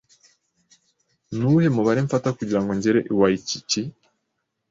Nuwuhe mubare mfata kugirango ngere i Waikiki?